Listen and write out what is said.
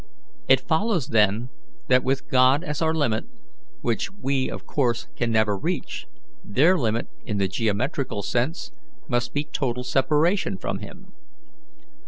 It follows, then, that with God as our limit, which we of course can never reach, their limit, in the geometrical sense, must be total separation from Him.